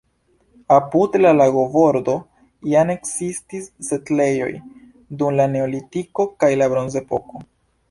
Apud la lagobordo jam ekzistis setlejoj dum la neolitiko kaj la bronzepoko.